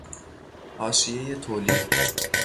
حاشیهی تولید